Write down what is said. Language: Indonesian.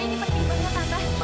ini penting banget tante